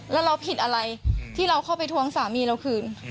แล้วเราผิดอะไรที่เราเข้าไปทวงสามีเราคืน